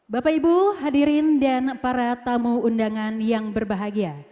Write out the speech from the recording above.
bapak ibu hadirin dan para tamu undangan yang berbahagia